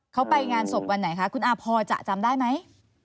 เขาไปงานศพวันไหนคะคุณอาพอจะจำได้ไหม